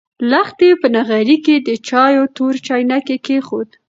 لښتې په نغري کې د چایو تور چاینک کېښود.